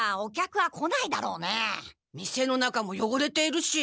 店の中もよごれているし。